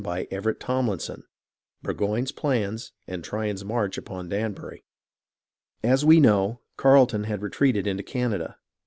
CHAPTER XVIII burgoyne's plans and tryon's march upon danbury As we know, Carleton had retreated into Canada.